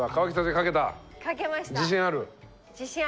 書けました。